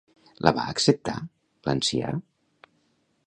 La va acceptar l'ancià?